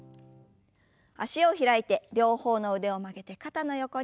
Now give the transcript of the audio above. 脚を開いて両方の腕を曲げて肩の横に。